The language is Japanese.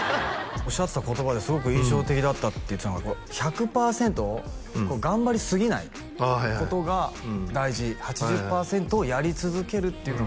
おっしゃってた言葉ですごく印象的だったって言ってたのが「１００パーセント頑張りすぎないことが大事」「８０パーセントをやり続けるっていうのが」